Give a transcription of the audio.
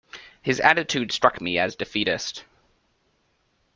His attitude struck me as defeatist.